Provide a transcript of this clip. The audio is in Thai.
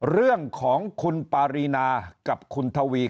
เรื่องของคุณปารีนากับคุณทวี